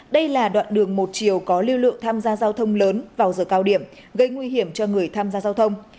đây là đoạn đường một chiều có lưu lượng tham gia giao thông lớn vào giờ cao điểm gây nguy hiểm cho người tham gia giao thông